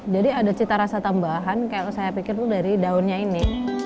jadi ada cita rasa tambahan kalau saya pikir dari daunnya ini